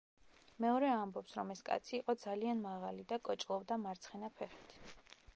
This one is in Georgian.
მეორე ამბობს, რომ ეს კაცი იყო ძალიან მაღალი და კოჭლობდა მარცხენა ფეხით.